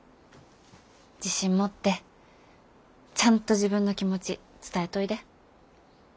自信持ってちゃんと自分の気持ち伝えといで。